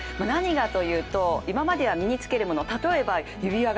何がと言うと、今までは身につけるもの